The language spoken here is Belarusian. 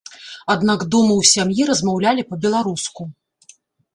Аднак дома ў сям'і размаўлялі па-беларуску.